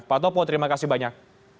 pak topo terimakasih banyak